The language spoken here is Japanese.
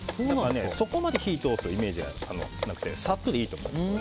そこまで火を通すイメージはなくてさっとでいいと思います。